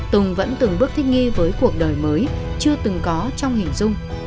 tùng vẫn từng bước thích nghi với cuộc đời mới chưa từng có trong hình dung